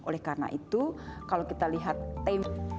oleh karena itu kalau kita lihat tim